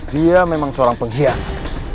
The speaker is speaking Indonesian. dia memang seorang pengkhianat